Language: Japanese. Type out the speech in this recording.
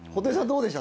どうでした？